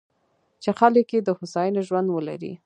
چې خلک یې د هوساینې ژوند ولري.